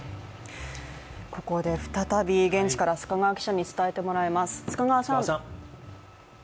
ここで再び現地から須賀川記者に伝えてもらいます。